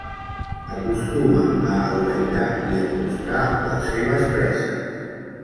Acostuma a aguaitar i emboscar les seves preses.